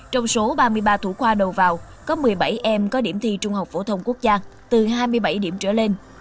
trong số ba mươi ba thủ khoa đầu vào có một mươi bảy em có điểm thi trung học phổ thông quốc gia từ hai mươi bảy điểm trở lên